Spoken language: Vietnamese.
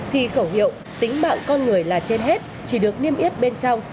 thì khẩu hiệu tính mạng con người là trên hết chỉ được niêm yết bên trong